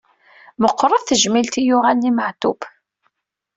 Meqqret tejmilt i yuɣalen i Meɛtub.